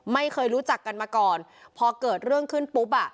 ไม่เคยรู้จักกันมาก่อนพอเกิดเรื่องขึ้นปุ๊บอ่ะ